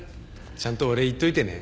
ちゃんとお礼言っといてね。